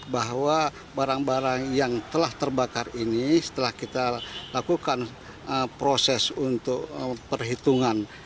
bahwa barang barang yang telah terbakar ini setelah kita lakukan proses untuk perhitungan